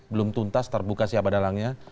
belum tuntas terbuka si abadalangnya